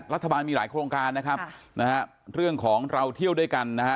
รัฐบาลมีหลายโครงการนะครับนะฮะเรื่องของเราเที่ยวด้วยกันนะฮะ